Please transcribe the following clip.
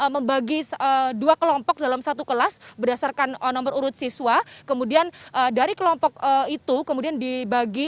membagi dua kelompok dalam satu kelas berdasarkan nomor urut siswa kemudian dari kelompok itu kemudian dibagi